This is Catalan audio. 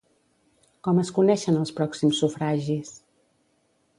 Com es coneixen els pròxims sufragis?